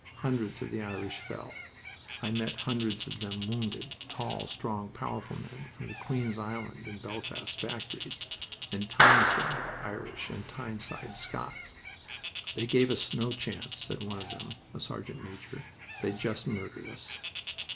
Hundreds of the Irish fell. I met hundreds of them wounded tall, strong, powerful men, from Queen's Island and Belfast factories, and Tyneside Irish and Tyneside Scots. "They gave us no chance," said one of them a sergeant major. "They just murdered us."